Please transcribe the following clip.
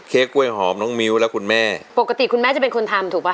กล้วยหอมน้องมิ้วและคุณแม่ปกติคุณแม่จะเป็นคนทำถูกป่ะ